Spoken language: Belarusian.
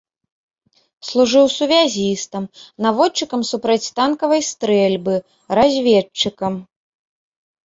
Служыў сувязістам, наводчыкам супрацьтанкавай стрэльбы, разведчыкам.